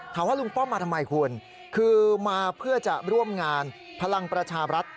ลุงป้อมมาทำไมคุณคือมาเพื่อจะร่วมงานพลังประชาบรัฐ